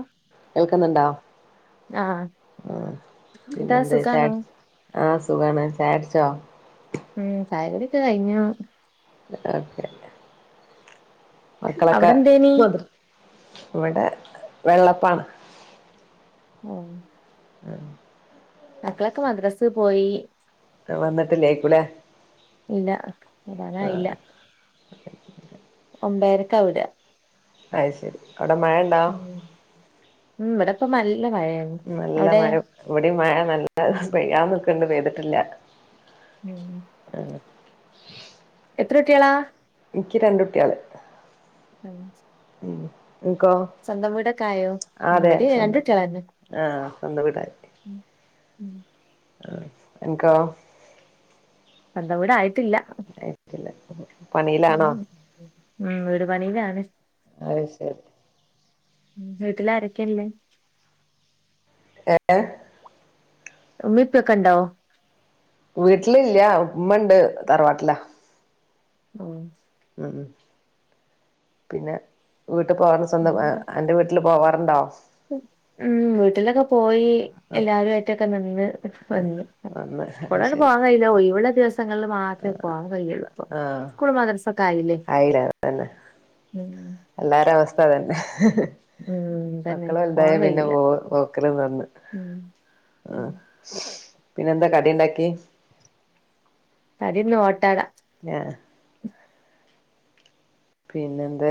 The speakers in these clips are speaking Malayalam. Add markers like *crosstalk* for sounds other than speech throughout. ആഹ കേൾക്കുന്നുണ്ടോ ആ എന്താ പിന്നെ എന്ത സുഖാണോ ച ആ സുഖമാണ് ചാ ച്ച ഉം സായഗടൊക്കെ കഴിഞ്ഞു ഓക്കെ മക്കളൊക്കെ അവിടെ എന്തേനി മന്ത്രി ഇവിടെ വെള്ളപ്പാണ് ആഹ ഉഹ അക്കളക്ക് മദ്രസ് പോയി വന്നിട്ടില്ലേക്കൂലേ ഇല്ല അതാനാ ഇല്ല മുമമ്പേരക്കാവില്ല അ ശരി അവിടെ മഴയണ്ടാ ഉം ഇവിടെപ്പ മ നല്ല മഴ ഇവിടെ മഴ നല്ല ഉം പെയ്യാ നക്കണ്ട് പെയ്തിട്ടില്ല ഉം എത്രൊട്ടിയളാ എനിക്ക് രണ്ട കുട്ടികള് ഉഹ ഉം സ്വന്തം വീടൊക്കായോ ഉടി രണ്ടട്ടളന്നെ ആഹ സ്വന്ത വിടായി ഉം ആ എനിക്കാ എന്ത കൂട ആയിട്ടില്ല പണിയിലാണോ ഉ ഉ വീട് പണയിലാണ് അത് ശരി വീട്ടില ആാരൊക്കെയല്ലേ ഏ ഉമ്മിപ്പൊക്കെ ഇണ്ടാവോ വീട്ടിലില്ല ഉമ്മണ്ട് തറവാട്ടില ആഹ ഉ പിന്നെ വീട്ടിൽ പോകറുന്ന സ്വന്തം പിന്നെന്താ എന്റെ ഉം വീട്ടില് പോവാറുണ്ടോ ഉം വീട്ടിലൊക്കെ പോയി ആ എല്ലരുുംമായിറ്റൊക്കെ നന്ന് വന്നു ഒന്ന് കൊ അത് ശരി പോാങ്ങായില്ലഓ ഇവടെ ങ്ങളിൽ മാത്രമേ പോ കൈള്ളൂ ഇപ്പ ആഹ് സ്കൂൾ മദ്രസൊക്കെ ആയില്ലേ ആയില്ല അതന്നെ ഉം തന്നെ ഉം തന്നെ മക്കള എന്തായ പോവാൻ പിന്നെ കഴിയില്ല പോ പോക്കല നന്നു ഉം ഉ ഉം പിന്നെെന്താ കടുണ്ടാക്കി അതിന്ന് ഓട്ടാട ആ പിന്നെന്താ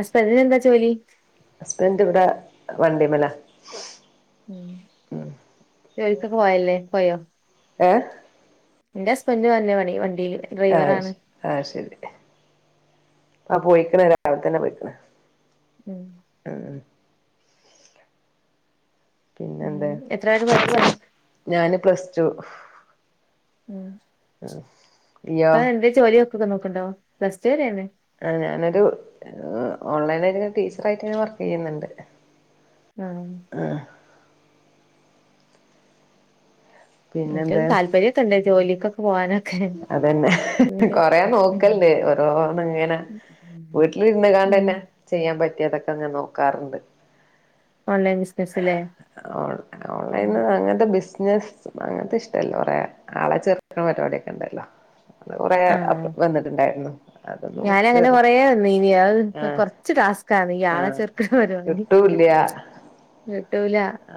ആസ്പദ എന്താ ചോലി ഹസ്ബൻറ് ഇവിടെ വണ്ടീമലാ ഉ ചോലിക്കൊ പോയല്ലേ പോയോ ഏ എന്റെ ഹസ്ബന്റ് തന്നേ പണീം വണ്ടീല് ആഹ് ആഹ് ശരി ആ പോയിക്കണ് രാവിലെ തന്നെ പോയിക്കണ് ഉം ആഹ് പിന്നെന്താ ഉം എത്ര വരെ പഠിച്ചു ഞാന് പ്ലസ് ടു ഉം ആഹ് അപ്പ എന്താ ജോലിയൊക്കെ നോക്ക്ണ്ടോ പ്ലസ്റ്റു വരേന്ന് ആഹ് ഞാനൊരു ഓൺലൈൻ ആയിട്ട് ടീച്ചർ ആയിട്ട് വർക്ക് ചെയ്യുന്നുണ്ട് ആഹ് എനിക്കത് പിന്നെന്താ താല്പര്യൊക്കെണ്ട് ജോലിക്കൊക്കെ പോകാന് അതന്നെ കൊറേ നോക്കല്ണ്ട് ഓരോന്ന് ഇങ്ങനെ ഉം വീട്ടിലിരുന്ന്ങ്ങാണ്ടെന്നെ ചെയ്യാൻ പറ്റിയതൊക്കെ ങനെ നോക്കാർണ്ട് ഓൺലൈൻ ബിസിനസ്ല്ലേ ഓ ഓൺലൈൻ അങ്ങൻത്തെ ബിസ് *unintelligible* അങ്ങൻത്തെ ഇഷ്ടല്ല ഒറേ ആളെ ചേർക്ക്ണ പരിപാടിയൊക്കെണ്ടല്ലോ അത് കൊറെേ ആഹ് അപ് വന്ന്ട്ട്ണ്ടായിരുന്നു അത് ഞാനങ്ങനെ നോക്കാണ് കൊറേ നിന്നീനി അത് ആ കൊറച്ച് ടാസ്കാണ് ഈ ആ ആളെ ചേർക്ക്ണ പരിപാടി കിട്ടൂല്ല *unintelligible*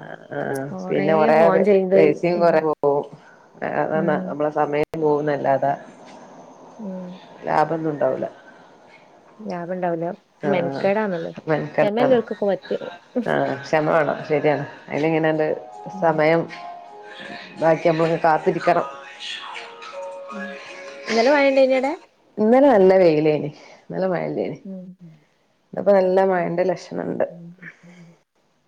അആ പിന്നെ കൊറേ ഫോൺ പെ ചെയ്ത് പൈസിം ഉം കൊറേ പോകും അ അതന്നാ നമ്മള സമയം പോവുന്നല്ലാത ഉം ലാഭൊന്നുണ്ടാവൂല *inaudible* ആഹ് മെനക്കേടാണല്ലോ മെൻക്കെടണ്ടല്ലോ ക്ഷമല്ലോൽക്കൊക്കെ പറ്റും ആഹ് ക്ഷമവാണം ശെരിയാണ് അയിന് ഇങ്ങനേണ്ട് ഉം സമയം വായിക്കുമ്പോ കാത്തിരിക്കണം ഇന്നലെ മഴണ്ടേയിനൊ അവടെ ഇന്നലെ നല്ല വെയിലേനി ഇന്നലെ മഴല്ലേനി ഇന്നിപ്പോ നല്ല മഴന്റെ ലക്ഷണണ്ട്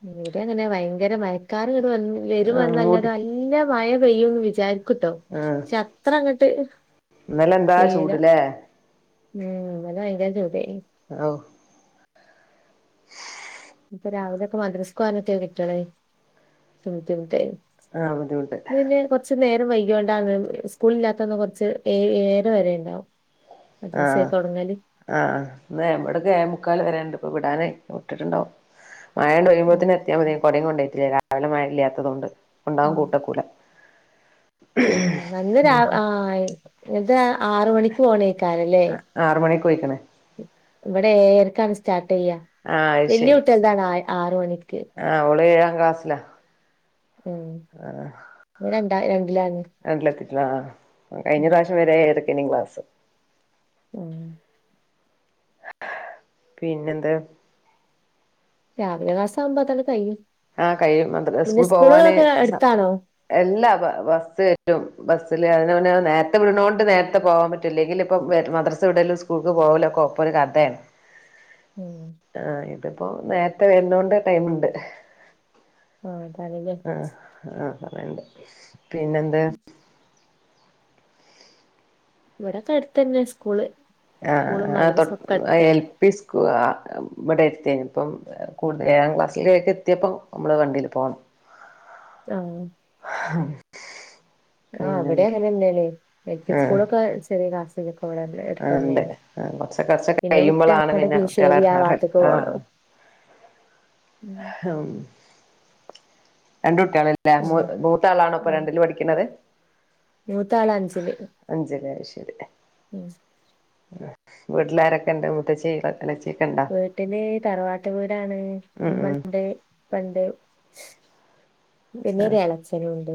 ഇവടിം അങ്ങനെ ഭയങ്കര മയക്കാറ്ങ്ങട്ട് വ വരും ആഹ് വന്നല്ലാതെ മൂടി നല്ല മഴ പെയ്യുന്ന് വിചാരി കിട്ടു ആഹ് പക അത്ര അങ്ങട്ട് ഇന്നലെ എന്താ പെയ്യൂല ചൂട്ലെ ഉം ഇന്നലെ ഭയങ്കര ചൂടേനി ഔ ഇപ്പൊ രാവിലെ ഒക്കെ മദ്രസ്കോവാനൊക്കെ കുട്ടെള് ഭുദ്ധിമുട്ട് ആഹ് ബുദ്ധിമുട്ട് നേരം വൈകിയോണ്ടാണ് സ്കൂള് ഇല്ലാത്തന്ന് കൊറച്ച് ഏ ഏഴര വരെ ഇണ്ടാവും ആഹ് ആഹ് ന്നാ ഏഴേ മുക്കാൽ വരേ ഇണ്ട് വിടാന് വിട്ടിട്ടുണ്ടാവും മഴാണ്ട് ഉം വരുമ്പോത്ത്ന് എത്തിയാമതിയായിരുന്നു കൊടിം കൊണ്ടോട്ടില്ല രാവിലെ മഴല്ലാത്തോണ്ട് ത്തതോണ്ട് കൊണ്ടോവാൻ ഉം കൂട്ടക്കൂല ആഹ് ഇന്ന് രാ ആഹ് ഇത് ആറ്മണിക്ക് പോണേ ആറ് മണിക്ക് പോയി ഇവടെ ഏഴരക്കാണ് സ്റ്റാർട്ട് ചെയ്യാ ആഹ് അത് ശരി വല്ല്യകുട്ടെൾതാണ് ആ ആറ് മണി ആഹ് ഓള് ഏഴാം ക്ലാസ്സിലാ ഉം ഇവൻ രണ്ടാ രണ് രണ്ടിലൊക്കെത്തി ആഹ് കഴിഞ്ഞ ഉം പ്രാവശ്യം വരെ ഏഴരക്കേനി ക്ലാസ് ഉം പിന്നെന്താ രാവില ക്ലാസ്സാവുമ്പം അതാണ്ട് കഴിയും ആഹ് കഴിയും മദ് സ്കൂൾ പോവാന് അടുത്താണോ എല്ലാ ബസ്സ് ഏറ്റും ബസ്സില് അതിനെമുന്നെ നേരത്തെ വിട്ണോണ്ട് നേരത്തെ പോവാൻ പറ്റും ഇല്ലങ്കിൽ ഇപ്പം മദ്രറസ വിടലും സ്കൂൾക്ക് പോകലോകെ ഒ കോപ്പൊര് കതെണ് ഉം ആഹ് ഇതിപ്പോ നേര്ത്തെ വരന്നോണ്ട് ടൈമുണ്ട് ആഹ് *unintelligible* ആഹ് പിന്നെന്ത് ഇവടെക്കെ അട്ത്തന്നെ സ്കൂള് ആഹ് സ്കൂളും ആഹ് തൊട്ട് മദ്രസും ഒക്കെ എൽ അടുത്തന്നെ പി സ്കൂ ഇവടെ ഇപ്പം കു ഏഴാം ക്ലാസ്സിലേക്ക് എത്തിയപ്പൊ നമ്മള് വണ്ടീല് പോണം ആഹ് *unintelligible* ആഹ് പിന്നെ ഇവടിം അങ്ങനെ ന്നെ നി എൽപി ആഹ് സ്കൂളൊക്കെ ചെറീ ക്ലാസ്സാ ഇപ്പൊ ഇവടെ ആഹ് ഉണ്ട് എട്ത്തന്നേണ് കുറച്ച് കുറച്ച് പിന്നെ വിട്ട് കഴിയുമ്പോളാണ് അങ്ങട്ട് പിന്നെ കുട്ടികളെ കീശേരി ആ ഇറങ്ങാറ് വാത്ത്ക്ക് പോണം *inaudible* ഉം ഹും രണ്ടു ണല്ലേ ഉം മൂത്താളാണോപ്പൊ രണ്ടില് പഠിക്ക്ണത്? മൂത്താളഞ്ചില് ഉം വീട്ടിലാരൊക്ക്ണ്ട് മൂത്തച്ചി ഇള വീട്ട്ല് തറവാട്ട് വീടാണ് ഉം ഉം മ്മണ്ട് പ്പണ്ട് ആഹ് പിന്നൊരെളച്ചനുണ്ട്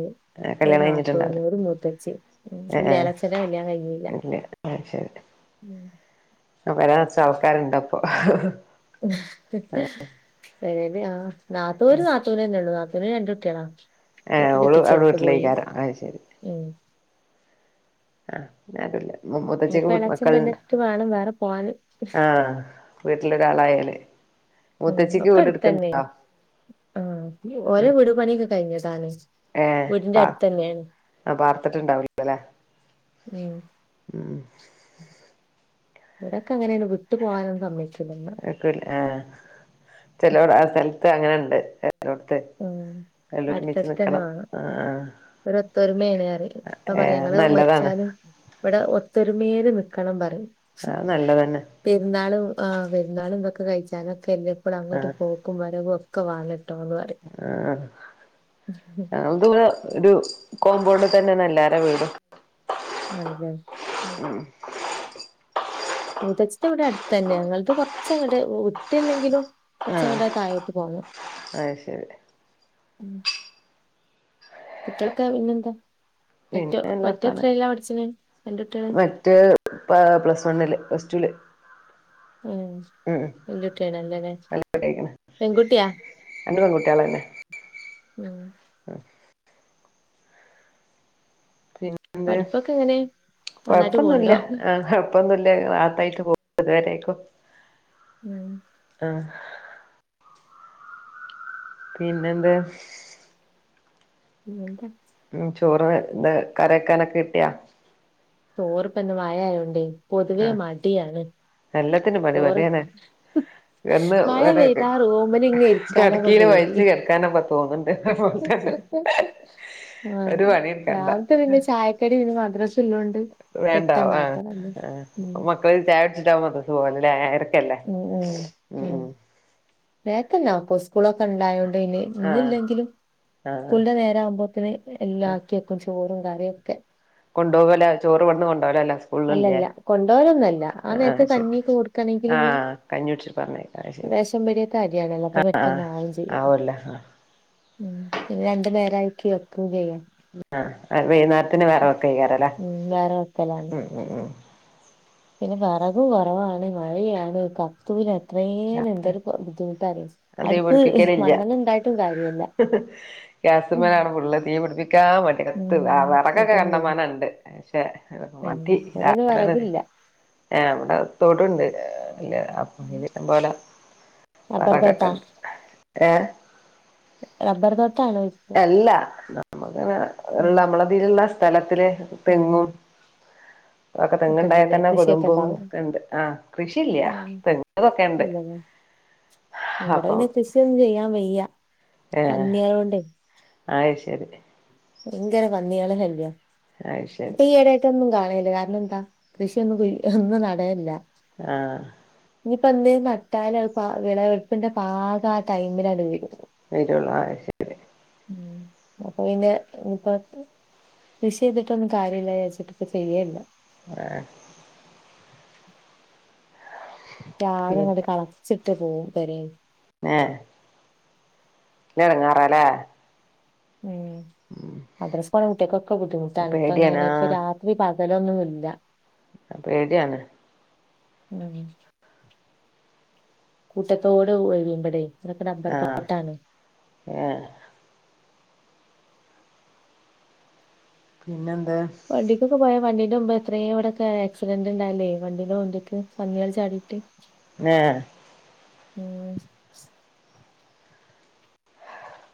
ഒരു കല്യാണം നാത്തൂന് കഴിഞ്ഞിട്ടുണ്ടാവില്ല ഒരു മൂത്തച്ചി ഉം ഇല്ല ഏഹ് ഇളേച്ചന്റെ കല്യാണം കഴിഞ്ഞില്ല ഏഹ് ഇല്ല ഉം അ പെരനർച്ചാൾക്കാര്ണ്ടപ്പൊ പെരേല് ആ നാത്തൂന് നാത്തൂനെന്നെ ള്ളൂ നാ ത്തൂന് രണ്ട് കുട്ട്യാളാ ഏഹ് അത്പ്പൊ *unintelligible* ഓള് അവിടെ ട്ടിച്ചോട്ത്ത് പോയി വീട്ടിലേക്കാരം അത് ഉം ആ പിന്നാരുല്ല മു മൂത്തച്ചിക്ക് ഇനിപ്പോ എളച്ചൻ മക്കൾണ്ടോ പെണ്ണെട്ടിട്ട് വേണം വേറെ പോവാന് ആ വീട്ടിലൊരാളായാല് ഉം മൂത്തച്ചിക്ക് ഒക്കെ വീട് എട്ത്തെന്നെ എടുക്കണ്ടോ ആ ഓലെ വിട് പണിയൊക്കെ കയ്ഞ്ഞതാണ് ഏ പ ആ പാർത്തിട്ടുണ്ടാവൂലല്ലേ ഉം ഓരൊക്കെ അങ്ങനെണ് വിട്ട് പോകാനും സമ്മയ് അയക്കൂല ആ ചെലോ ആ സ്ഥലത്ത് അങ്ങനെണ്ട് വ്ട്ത്തത് ഉം എല്ലൊരുമിച്ച് അടുത്തടുത്തന്നെ നിക്കണം വേണം ഒരു ഒത്തൊരുമേണ് ർയും ഇപ്പ പറയും ഏഹ് ഞങ്ങള് നല്ലതാണ് മരിച്ചാലും ഇവിടെ ഒത്തൊരുമേല് നി ക്കണം പറയും അത് നല്ലതന്നെ പെരുന്നാളും ആ പെരുന്നാളും ഇതൊക്കെ കയ്ച്ചാനെ ക്കെല്ലപ്പളും അങ്ങോട്ട് ആഹ് പോക്കും വരവൊക്കെ വാണട്ടോന്ന് പറയും ആ ഞങ്ങൾത് ള്ളെ ഒരു കോമ്പൗണ്ട് തന്നെ നല്ലാര വീട് അഞ്ചൻ ഉം മുതച്ടെ ഇവിടെ അടുത്ത് തന്നെ യങ്ങൾത് കൊർച്ചങ്ങട്ട് ഉ ഉത്ത്ല്ലെങ്കിലും ആഹ് കൊർച്ചങ്ങട്ട് തായോട്ട് പോണം. അത് ശരി ഉം കുട്ട്യെളൊക്കെ പിന്നെന്താ മറ്റൊ പിന്നെ നല്ല മറ്റേ വർത്താനം ത്രേലാ പഠിച്ണെ എന്റെട്ട്യെള് പാ പ്ലസ് വണ്ണില് പ്ലസ് റ്റൂല് ഉം വെല്യട്ട്യായിനെല്ലലെ നല്ലട്ടേക്കണ് പെൺകുട്ടിയാ രണ്ട് പെൺകുട്ടിളെന്നെ ഉം പഠിപ്പൊക്കെ എങ്ങനെ നന്നായിട്ട് കൊഴപ്പൊന്നുല്ല പോണുണ്ടോ ആഹ് കൊഴപ്പൊന്നുല്ല തെ റാഹത്തായിട്ട് *unintelligible* ഇതുവരെക്കും ഉം ഉ *inaudible* പിന്നെന്താ പി എന്ത *inaudible* *inaudible* ഉം ചോറ് എ കരക്കാനൊക്കെ കിട്ടിയാ ചോർ റപ്പന്ന് വായായോണ്ടേ പൊതുവേ ആ മടിയാണ് എല്ലാത്തിനും പണി തോരച്ച പണിതന്നെ കിടന്ന് *inaudible* മഴ പെയ്താ റോമന് ഇങ്ങ ഇരിക്കാനൊക്കെ കിടക്കീല് പോതി വലിച്ച് കിടക്കാനൊക്കെ തോന്നുന്നുണ്ട് അതുപോലെ തന്നെ ആഹ ഒരു പണിയെടുക്കണ്ട യത പിന്നെ ചായക്കടിന്ന വേണ്ട ആ ആ ഉം മക്കള ചായപടിച്ചിട്ടാവുംത്ര സുഖംല്ല ഉ ഉ ഉ വത്തന്നപ്പ പ്പളൊക്കെ ഉണ്ടായോണ്ട് ഇന്നെ ആ ഇന്നില്ലെങ്കിലും ആ സ്കൂളിന്റെ നേര ആകുമ്പോത്തന് എല്ലാം ആക്കി വക്കും ചോറും കറിയും ഒക്കെ കൊണ്ട്പോകലല്ല ചോറ് വ കൊ അല്ലല്ല കൊണ്ടപോലൊന്നല്ല ആ നേരത്തെ ആഹ് ശരി കഞ്ഞിക്ക് കൊടുക്കണെങ്കില് നീ ആഹ് കഞ്ഞികുടിച്ചിട്ട് പറഞ്ഞയക്കാം അത് ശരി വിേഷം പടിയത്തെ അരിയാണല്ലോ അപ്പൊ പെട്ടെന്ന് ആളും ചെയ്യും ആവൂല്ല ഉ പി രണ്ടു പേരായി കി വക്കുക ചെയ്യൻ ആ വൈകുന്നേരത്തിന് വേറെ വക്ക ചെയക്കാറല്ലേ ഉം വേറെ വെക്കലാണ് ഉം ഉം ഉം പിന്നെ വെറകും കുറവാണ് മഴയാണ് കത്തുല അത്രയും എന്തരു ബുദ്ധിമുട്ടര് ഞാൻ തീ അടുപ്പ് പിടിപ്പിക്കലില്ല മണ്ണണ്ണ ഇണ്ടായിട്ടും കാര്യല്ല ഉം ഗ്യാസ്മേലാണ് പുള്ള തീ പിടിപ് ക്കാ മതി ഉം എത്തു ആഹ് വെറകൊക്കെ അതന്നെ കണ്ടമാന ഉണ്ട് പക്ഷെ ഉം മതി ഇവിടൊന്നും ആഹ് ആഹ് വിറകില്ല ഇവിടെ തോട്ണ്ട് ഇല്ല അപ്പൊ ഇം പോലെ റബ്ബർ വെറകൊക്കെ തോട്ടാ ഉണ്ട് ഏഹ് റബ്ബർ തോ അല്ല നമ്മുക്ക്നെ ഉം ഇള്ള നമ്മളതിലുള്ള സ്ഥലത്തില് ആഹ് തെങ്ങും തൊക്കെ തെങ്ങ് ഇണ്ടായൽ ഒക്കെണ്ടല്ലേ തന്നെ കൃഷിയൊക്കെ കൊതുമ്പും ഉണ്ടാവും ക്കെഇണ്ട് ആഹ് കൃഷില്ല ഉം തെങ്ങ് ഇതൊക്കെ ഇണ്ട് ഇല്ലല്ലേ ഇവിടെ ഇനി കൃഷിയൊന്ന് ചെയ്യാൻ വയ്യ പന്ന്യേളോണ്ടേ അയ് ശരി ഭയങ്കര പന്ന്യേള ശല്യ അത് ശരി ഇപ്പൊ ഈയിടായിട്ടൊന്നും കാണ *unintelligible* കാരണം എന്താ കൃഷിയൊന്നും ഒന്നും നടയല്ല ആഹ് ഇനിയിപ്പ എന്തേലും നട്ടാല് അഹ്പാ വെളവെടുപ്പിന്റെ പാഗ ആഹ് ടൈമിലാണ് വെരും വെരൊള്ളൂ ആ ശെരി ഉം അപ്പൊ പിന്നെ ഇപ്പ കൃഷി ചെയ്തിട്ടൊന്നും കാര്യമില്ല ചോെച്ചിട്ട് ഇ ചെയ്യല്ല ആഹ *inaudible* രാഗം കൊണ്ട് പിന്നെ കളച്ചിട്ട് *unintelligible* വരെ എടങ്ങാറല്ലേ ഉം അദ്രസ്കണമട്ടിയക്കൊക്കെ ബുദ്ധിമുട്ടാണ് ഇപ്പ പേടിയാണ് ഇങ്ങനെ ഇപ്പ രാത്രി അതലൊന്നുമ ഇല്ല പേടിയാണ് ഉം കൂട്ടത്തോട് ഒഴവിയ്പടെേ ഇതൊക്കെ നമ്പർ ആ പട്ടാണ് ഏ പിന്നെ പണ്ടിക്ക കപായ മണ്ടി എത്രയും ഇവിടെക്കെ ആക്സിഡന്റ് ഉണ്ടല്ലേ വണ്ടീന്റെ കൊണ്ടക്ക് പന്നികൾ ചാടിയിട്ട് ആ *unintelligible*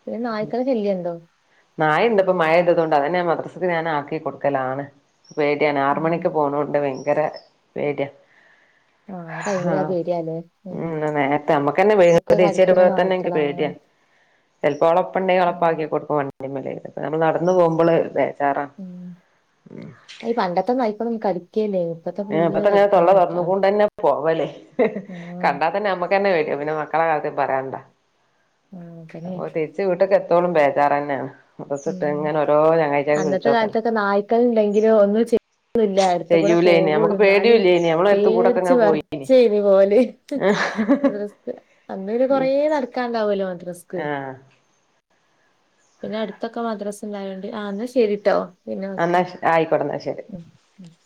പിന്നെ നായക്കന ചെല്ലണ്ടോ നായ ഇന്തപ്പോ മഴ ഇതുകൊണ്ട് അതന്നൊ മദ്രസ്സക്ക് ഞാൻ ആക്കി കൊടുക്കലാണ് പേടിയാണ്‌ ആറ ഉം മണിക്ക് പോണോണ്ട് ഭയങ്കര പേടിയ ആഹ ആഹ് ഉം നേരത്തെ ഒക്കെ നമ്മുക്ക്െന്നെേച്ച കടിക്കണ വരുമ്പോ തന്നെ എനിക്ക് നായ്ക്കളാണ് പേടിയ ചിലപ്പോ ഉം ഉളപ്പുണ്ടെങ്കിൽളപ്പാക്കക്കി കൊടുക്ക വേണ്ടി *unintelligible* നമ്മൾ നടന്ന പോകുമ്പോൾതേ ചാറാ ഉം ഉ ഈ *unintelligible* ഇപ്പത്തെ ഏ ഫുള്ള് അത്തെങ്ങനെ കടിക്കണ തള്ള നായ്ക്കളാ തറന്നുകൊണ്ട്ന്നെ പോവല്ലേ ആഹ് കണ്ടാൽ തന്നെ നമ്മുക്ക് തന്നെ *unintelligible* പിന്നെ മക്കളെ കാലത്തി പറയാനണ്ടാ ആഹ് അതന്നെ ഓ തിരിച്ച് വീട്ടൊക്കെ എത്തോളും ബേജാറ തന്നെയാണ് ഉ അന്നത്തെ കാലത്തൊക്കെ നായ്ക്കള ഉണ്ടെങ്കിലും ഒന്ന് ല്ല അടുത്ത കൂടെ പോ ചെയ്യൂലേനി പോള്ളൂ നമുക്ക് എന്നാലും പേടിയൂല്ലേനി നമ്മളെ എടുത്ത് കൂടൊക്കെ പേർച്ച് ഇങ്ങനെ പോയി വെർച് ഇത് പോലെ *unintelligible* അന്നരു കൊറേ നടക്കാണ്ടാവല്ലോ മദ്രസ്ക്ക്‌ ആഹ് പിന്നെ അടുത്തൊക്കെ മദ്രസ ഇണ്ടായോണ്ട് ആഹ് എന്നാ ശരിട്ടോ പിന്നെ വിളിക്കാ അന്നാ ആയിക്കോടന്നാ ശെരി ഉം ഉം